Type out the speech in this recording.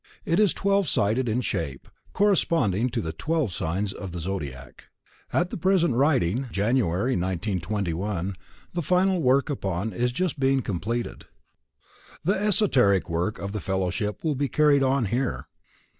It is twelve sided in shape, corresponding to the twelve signs of the zodiac. At the present writing, January, 1921, the final work upon it is just being completed. The esoteric work of the Fellowship will be carried on here.